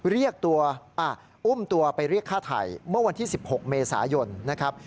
เรียกตัวอุ้มตัวไปเรียกฆ่าไทยเมื่อวันที่๑๖เมษายนนะครับ